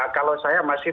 kalau saya masih